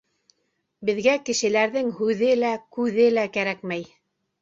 Беҙгә кешеләрҙең һүҙе лә, күҙе лә кәрәкмәй.